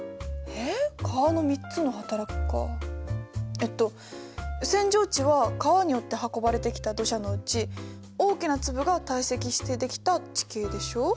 えっと扇状地は川によって運ばれてきた土砂のうち大きな粒が堆積してできた地形でしょ。